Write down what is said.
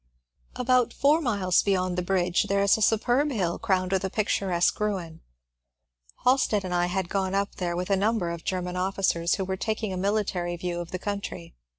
^ About four miles beyond the bridge there is a superb hill crowned with a picturesque ruin. Halstead and I had gone up there with a number of Grerman officers who were taking a military view of the country.